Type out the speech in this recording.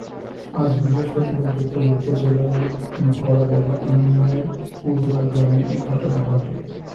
আজ বৃহস্পতিবার দুপুরে উপজেলার ভরাডোবা ইউনিয়নের পুরুড়া গ্রামে এ ঘটনা ঘটে।